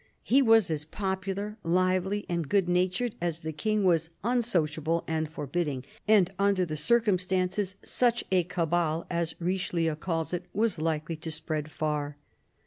He was as popular, lively and good natured as the King was unsociable and forbidding; and under the circum stances such a " cabale," as Richelieu calls it, was likely to spread far.